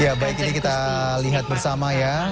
ya baik ini kita lihat bersama ya